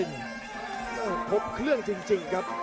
เพชรยุพิธธิ์เดินทบเครื่องจริงครับ